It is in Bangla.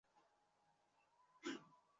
তিনি ল্যাঙ্কাশায়ার ক্লাবে যোগ দেন।